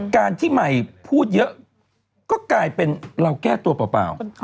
การที่ใหม่พูดเยอะก็กลายเป็นเราแก้ตัวเปล่า